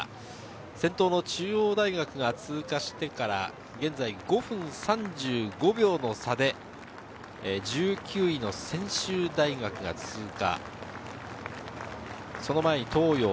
先頭の中央大学が通過してから現在５分３５秒の差で１９位の専修大学が通過。